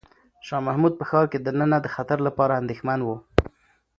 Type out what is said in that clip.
شاه محمود په ښار کې دننه د خطر لپاره اندېښمن و.